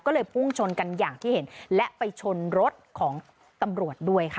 ก็เลยพุ่งชนกันอย่างที่เห็นและไปชนรถของตำรวจด้วยค่ะ